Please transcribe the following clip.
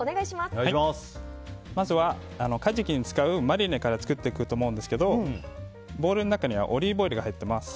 まずはカジキに使うマリネから作っていこうと思うんですけどボウルの中にオリーブオイルが入っています。